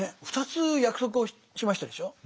２つ約束をしましたでしょう。